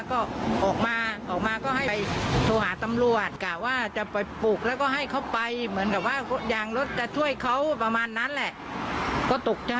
ก็ตกใจค่ะตกใจมาก